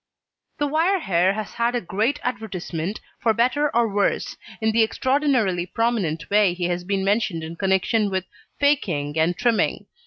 The wire hair has had a great advertisement, for better or worse, in the extraordinarily prominent way he has been mentioned in connection with "faking" and trimming.